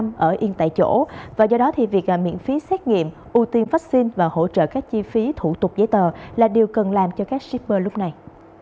nhưng người dân sẽ yên tâm ở yên tại chỗ và do đó thì việc miễn phí xét nghiệm ưu tiên vaccine và hỗ trợ các chi phí thủ tục giấy tờ là điều cần làm cho các shipper lúc này